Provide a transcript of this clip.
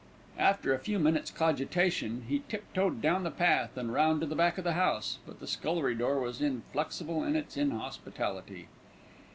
After a few minutes' cogitation, he tip toed down the path and round to the back of the house; but the scullery door was inflexible in its inhospitality.